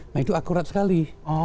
nah itu akurat sekali